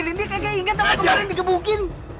nih kaya inget apa kemarin digebukin